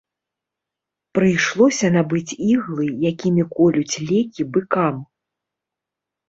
Прыйшлося набыць іглы, якімі колюць лекі быкам.